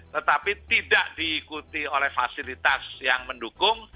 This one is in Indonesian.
tetapi tidak diikuti oleh fasilitas yang mendukung